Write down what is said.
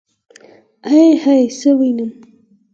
ائ هئ څه وينم.